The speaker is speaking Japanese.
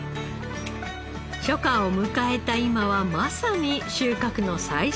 初夏を迎えた今はまさに収穫の最盛期。